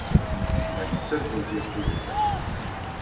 Llant ttargunt yir tirga.